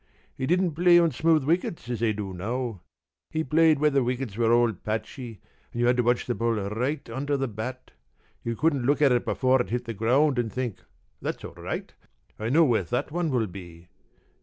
He didn't play on smooth wickets, as they do now. He played where the wickets were all patchy, and you had to watch the ball right on to the bat. You couldn't look at it before it hit the ground and think, 'That's all right. I know where that one will be!'